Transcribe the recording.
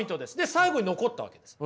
最後に残ったわけです。